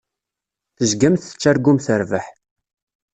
Tezgamt tettargumt rrbeḥ.